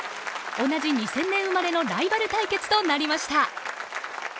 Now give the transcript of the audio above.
同じ２０００年生まれのライバル対決となりました。